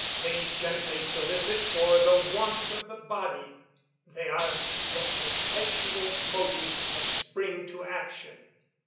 They gently solicit for the wants of the body; they are the perpetual motive and spring to action."